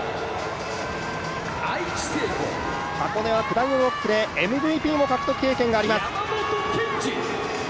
箱根は下りの６区でＭＶＰの獲得経験があります。